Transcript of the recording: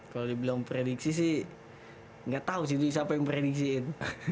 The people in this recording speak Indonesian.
kalau dibilang prediksi sih gak tau sih itu siapa yang prediksiin